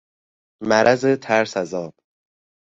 مرض ترس از آب